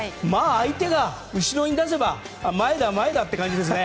相手が後ろに出せば前だ、前だという感じですね。